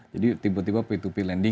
jadi tiba tiba p dua p lending